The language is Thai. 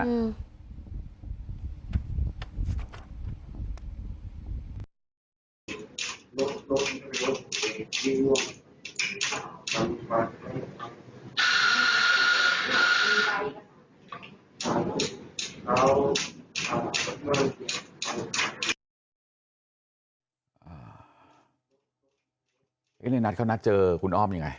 ในนัทเขานัดเจอคุณอ้อมยังไง